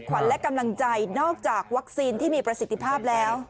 ขวัญและกำลังใจนอกจากวัคซีนที่มีประสิทธิภาพแล้ว